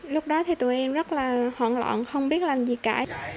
lúc đó thì tụi em rất là hoảng loạn không biết làm gì cả